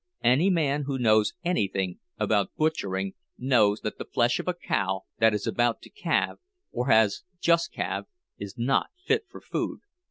Any man who knows anything about butchering knows that the flesh of a cow that is about to calve, or has just calved, is not fit for food.